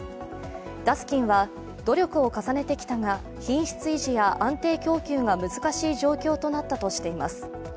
ダスキンは、努力を重ねてきたが品質維持や安定供給が難しい状況となったとしています。